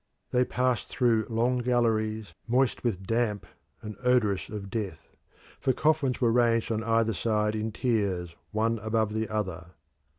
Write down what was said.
They passed through long galleries, moist with damp and odorous of death for coffins were ranged on either side in tiers one above the other.